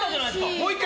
もう１回。